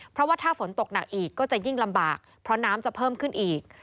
เพราะว่าถ้าฝนตกหนักอีกก็จะยิ่งลำบากเพราะน้ำจะเพิ่มขึ้นอีก